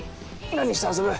何して遊ぶ？